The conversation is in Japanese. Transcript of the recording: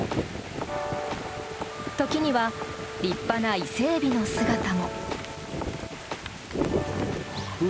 時には立派な伊勢エビの姿も。